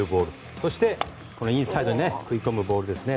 そして、インサイドに食い込むボールですね。